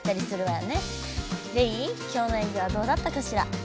レイきょうの演技はどうだったかしら？